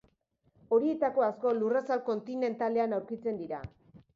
Horietako asko lurrazal kontinentalean aurkitzen dira.